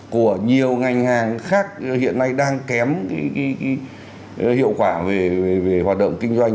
của nhiều ngành hàng khác hiện nay đang kém hiệu quả về hoạt động kinh doanh